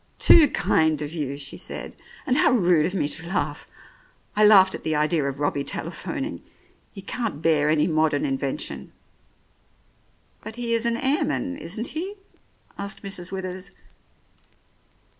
"Too kind of you," she said, "and how rude of me to laugh 1 I laughed at the idea of Robbie tele phoning. He can't bear any modern invention." "But he is an airman, isn't he?" asked Mrs. Withers.